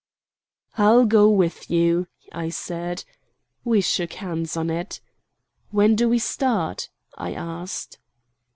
"I'll go with you!" I said. We shook hands on it. "When do we start?" I asked.